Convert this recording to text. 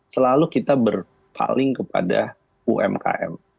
selalu kita berpaling kepada umkm